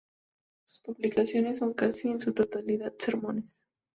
Sus publicaciones son casi en su totalidad sermones.